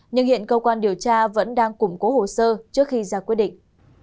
nhưng hiện cơ quan điều tra vẫn đang củng cố hồ sơ trước khi ra quyết định